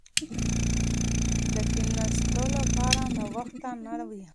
د کښېناستو لپاره ناوخته نه وي.